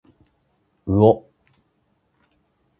うおっ。